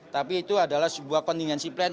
tapi itu adalah sebuah kontingensi plan